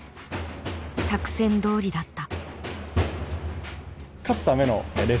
作戦どおりだった。